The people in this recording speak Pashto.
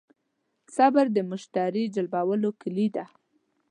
صبر د مشتری جلبولو کیلي ده.